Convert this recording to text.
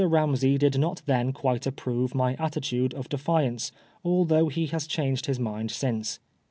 Ramsey did not then quite approve my attitude of defiance, although he has changed his mind since.